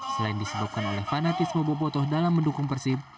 selain disebabkan oleh fanatisme bobo toh dalam mendukung persib